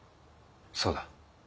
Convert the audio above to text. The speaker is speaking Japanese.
そうだ。